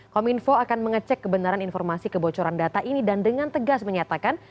kominfo akan mengecek kebenaran informasi kebocoran data ini dan dengan tegas menyatakan